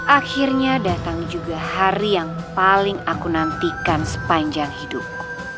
akhirnya datang juga hari yang paling aku nantikan sepanjang hidup